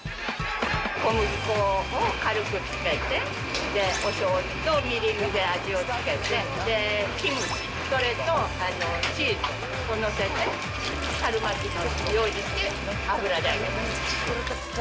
小麦粉を軽くつけて、おしょうゆとみりんで味をつけて、キムチ、それとチーズを載せて、春巻きのようにして油で揚げます。